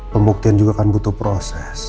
pembuktian juga kan butuh proses